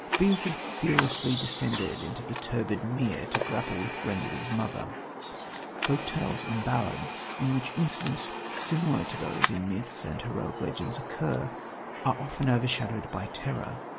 Beowulf fearlessly descended into the turbid mere to grapple with Grendel's mother. Folktales and ballads, in which incidents similar to those in myths and heroic legends occur, are often overshadowed by terror.